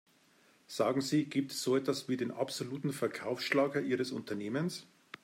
Sagen Sie, gibt es so etwas wie den absoluten Verkaufsschlager ihres Unternehmens?